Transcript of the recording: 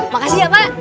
makasih ya pak